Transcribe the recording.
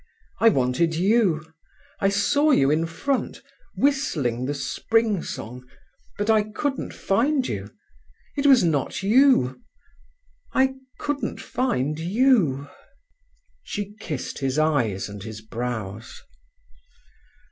I wanted you—I saw you in front, whistling the Spring Song, but I couldn't find you—it was not you—I couldn't find you." She kissed his eyes and his brows.